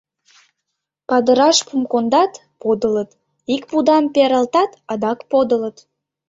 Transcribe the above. Падыраш пум кондат — подылыт, ик пудам пералтат — адак подылыт.